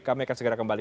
kami akan segera kembali